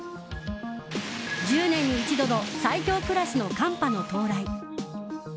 １０年に一度の最強クラスの寒波の到来。